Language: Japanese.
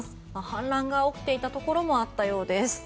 氾濫が起きていたところもあったようです。